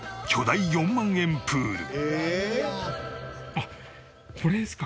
あっこれですか？